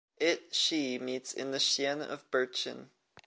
It/She meets in the xian of Burqin.